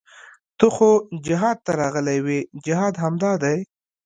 ته خو جهاد ته راغلى وې جهاد همدا دى.